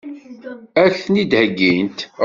Ad k-ten-id-heggint?